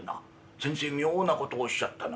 先生妙なことをおっしゃったな。